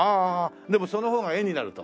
でもその方が絵になると。